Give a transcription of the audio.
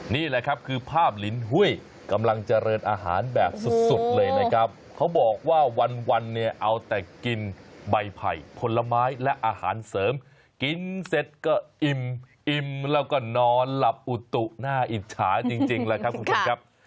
นี่แหละครับคือภาพลินหุ้ยกำลังเจริญอาหารแบบสุดเลยนะครับเขาบอกว่าวันเนี่ยเอาแต่กินใบไผ่ผลไม้และอาหารเสริมกินเสร็จก็อิ่มอิ่มแล้วก็นอนหลับอุตุน่าอิจฉาจริงแล้วครับคุณผู้ชมครับ